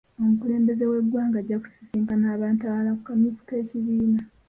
Omukulembeze w'eggwanga ajja kusisinkana abantu abalala mu kamyufu k'ekibiina.